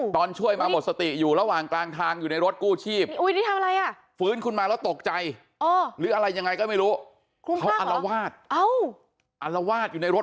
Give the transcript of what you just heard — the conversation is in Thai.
ตอนช่วยมาหมดสติอยู่ระหว่างกลางทางอยู่ในรถกู้ชีพอุ้ยนี่ทำอะไรอ่ะ